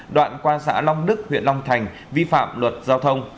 đoạn qua xã long đức huyện long thành vi phạm luật giao thông